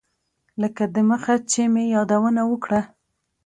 لکه دمخه چې مې یادونه وکړه.